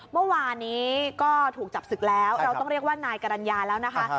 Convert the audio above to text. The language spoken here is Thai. เมื่อวานนี้ก็ถูกจับศึกแล้วเราต้องเรียกว่านายกรรณญาแล้วนะคะ